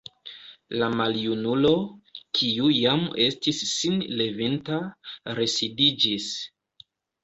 La maljunulo, kiu jam estis sin levinta, residiĝis.